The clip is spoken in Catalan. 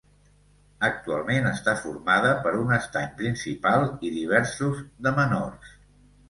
Actualment està formada per un estany principal i diversos de menors.